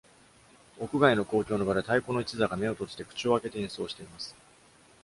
屋外の公共の場で、太鼓の一座が目を閉じて口を開けて演奏しています。